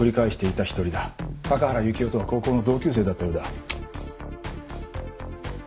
雪世とは高校の同級生だったようだ。